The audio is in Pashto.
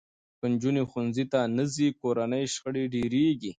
که نجونې ښوونځي ته نه ځي، کورني شخړې ډېرېږي.